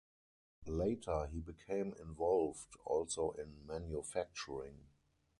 Later he became involved also in manufacturing.